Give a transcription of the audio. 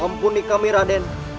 kampuni kami raden